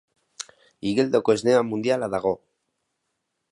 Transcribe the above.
Igeldoko Esnea mundiala dago!